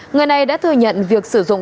người này đã thừa nhận việc sử dụng